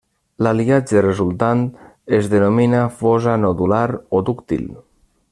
L'aliatge resultant es denomina fosa nodular o dúctil.